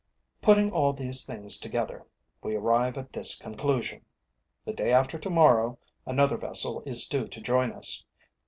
Putting all these things together, we arrive at this conclusion: The day after to morrow another vessel is due to join us.